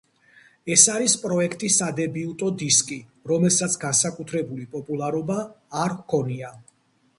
ეს არის პროექტის სადებიუტო დისკი, რომელსაც განსაკუთრებული პოპულარობა არ ჰქონია.